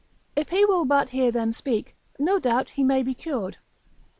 If he will but hear them speak, no doubt he may be cured.